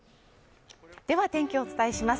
では天気をお伝えします。